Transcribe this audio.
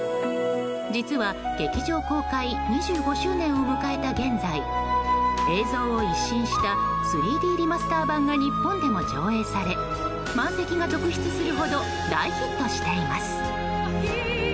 実は劇場公開２５周年を迎えた現在映像を一新した３Ｄリマスター版が日本でも上映され満席が続出するほど大ヒットしています。